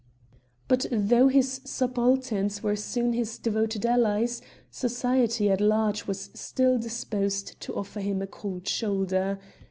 But though his subalterns were soon his devoted allies, society at large was still disposed to offer him a cold shoulder.